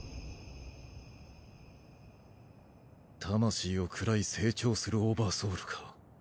魂を食らい成長するオーバーソウルか。